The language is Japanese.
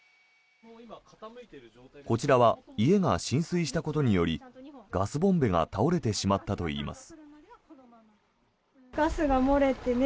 こちらは家が浸水したことによりガスボンベが倒れてしまったといいます。